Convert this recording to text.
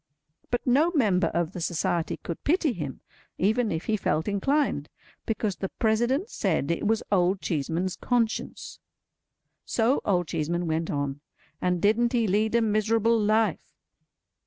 But no member of the Society could pity him, even if he felt inclined, because the President said it was Old Cheeseman's conscience. So Old Cheeseman went on, and didn't he lead a miserable life!